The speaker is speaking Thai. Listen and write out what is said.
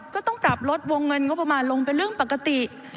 ก็ต้องปรับลดวงเงินงบประมาณลงเป็นเรื่องปกติ